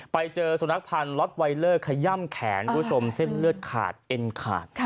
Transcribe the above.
ไปเจอสุนัขพันธ์ล็อตไวเลอร์ขย่ำแขนคุณผู้ชมเส้นเลือดขาดเอ็นขาด